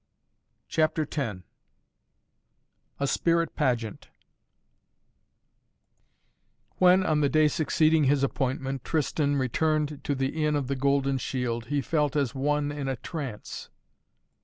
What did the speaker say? CHAPTER X A SPIRIT PAGEANT When, on the day succeeding his appointment Tristan returned to the Inn of the Golden Shield he felt as one in a trance.